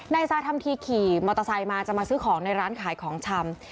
นายซาทำทีขี่มอเตอร์ไซค์มาจะมาซื้อของในร้านขายของชำ